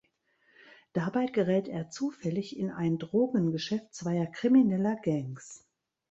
Dabei gerät er zufällig in ein Drogengeschäft zweier krimineller Gangs.